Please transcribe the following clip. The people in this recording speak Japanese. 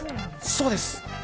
そうです。